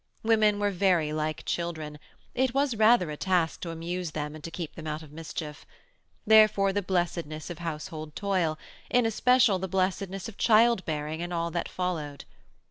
Women were very like children; it was rather a task to amuse them and to keep them out of mischief. Therefore the blessedness of household toil, in especial the blessedness of child bearing and all that followed.